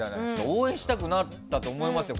応援したくなったと思いますよ。